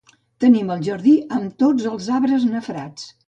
Tenim el jardí amb tots els arbres nafrats.